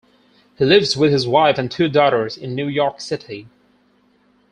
He lives with his wife and two daughters in New York City.